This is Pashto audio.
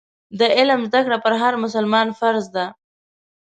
د علم زده کړه پر هر مسلمان فرض ده.